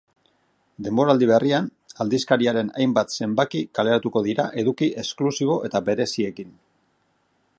Denboraldi berrian, aldizkariaren hainbat zenbaki kaleratuko dira eduki esklusibo eta bereziekin.